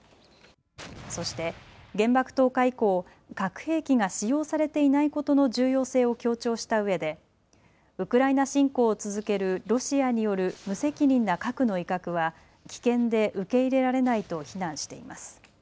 そして、原爆投下以降、核兵器が使用されていないことの重要性を強調したうえで、ウクライナ侵攻を続けるロシアによる無責任な核の威嚇は、危険で受け入れられないと非難しています。